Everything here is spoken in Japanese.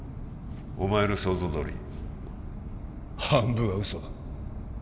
お前の想像どおり半分は嘘だ